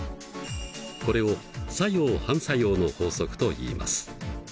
これを作用反作用の法則といいます。